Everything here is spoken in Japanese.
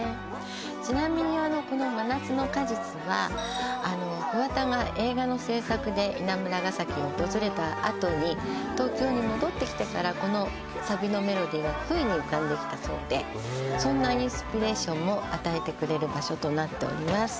ちなみにこの「真夏の果実」はあの桑田が映画の制作で稲村ヶ崎を訪れたあとに東京に戻ってきてからこのサビのメロディーがふいに浮かんできたそうでへえそんなインスピレーションも与えてくれる場所となっております